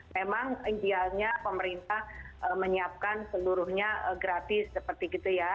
memang intinya pemerintah menyiapkan seluruhnya gratis seperti itu ya